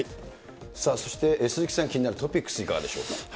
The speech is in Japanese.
そして鈴木さん、気になるトピックスいかがでしょうか。